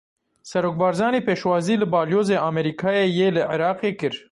Serok Barzanî pêşwazî li Balyozê Amerîkayê yê li Iraqê kir.